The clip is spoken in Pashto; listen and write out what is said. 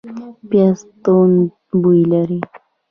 پیاز توند بوی لري